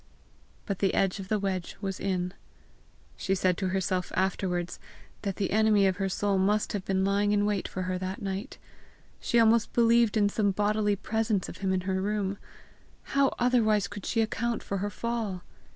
But the edge of the wedge was in. She said to herself afterwards, that the enemy of her soul must have been lying in wait for her that night; she almost believed in some bodily presence of him in her room: how otherwise could she account for her fall!